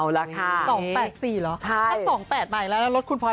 เฮ้ยและเลขสุดท้าย